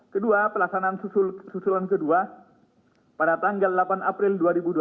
kedua pelaksanaan susulan kedua pada tanggal delapan april dua ribu dua puluh